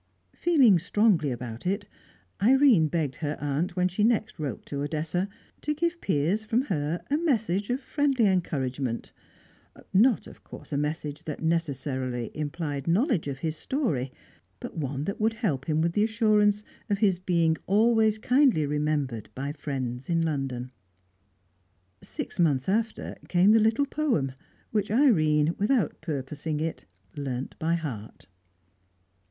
Feeling strongly about it, Irene begged her aunt, when next she wrote to Odessa, to give Piers, from her, a message of friendly encouragement; not, of course, a message that necessarily implied knowledge of his story, but one that would help him with the assurance of his being always kindly remembered by friends in London. Six months after came the little poem, which Irene, without purposing it, learnt by heart.